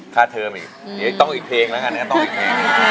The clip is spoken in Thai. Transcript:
ค่าเทิมอีกต้องอีกเพลงแล้วกันนะ